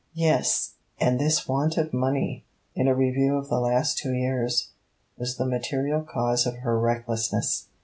Yes, and this want of money, in a review of the last two years, was the material cause of her recklessness.